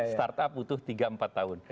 start up butuh tiga empat tahun